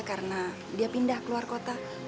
karena dia pindah keluar kota